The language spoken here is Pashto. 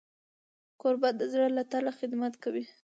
کوربه د زړه له تله خدمت کوي.